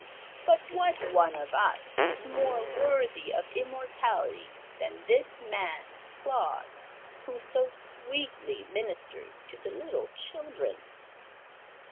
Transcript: But what one of us is more worthy of immortality than this man Claus, who so sweetly ministers to the little children?"